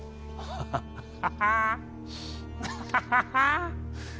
ハハハハ！